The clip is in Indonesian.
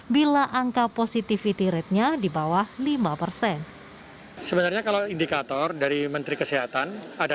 bila angka positivity ratenya di bawah lima persen